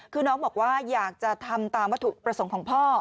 คือน้องบอกว่าอยากจะทำตามวัตถุประสงค์ของพ่อ